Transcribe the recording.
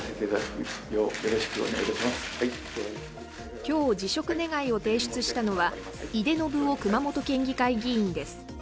今日、辞職願を提出したのは井手順雄熊本県議会議員です。